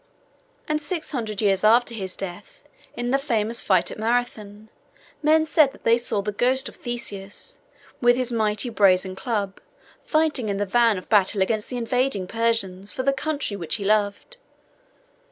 And six hundred years after his death, in the famous fight at Marathon, men said that they saw the ghost of Theseus, with his mighty brazen club, fighting in the van of battle against the invading Persians, for the country which he loved.